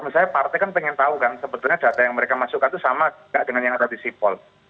misalnya partai kan pengen tahu kan sebetulnya data yang mereka masukkan itu sama nggak dengan yang ada di sipol